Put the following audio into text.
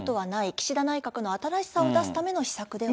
岸田内閣の新しさを出すための秘策ではと。